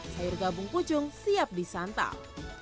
sayur gabung pucung siap disantap